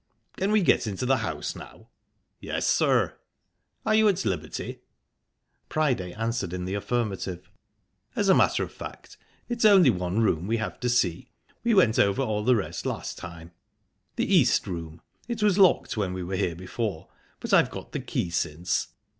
"Can we get into the house now?" "Yes, sir." "Are you at liberty?" Priday answered in the affirmative. "As a matter of fact, it's only one room we have to see. We went over all the rest last time. The East Room. It was locked when we were here before, but I've got the key since."